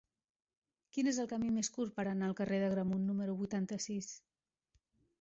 Quin és el camí més curt per anar al carrer d'Agramunt número vuitanta-sis?